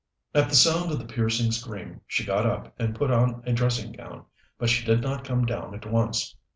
At the sound of the piercing scream she got up and put on a dressing gown, but she did not come down at once.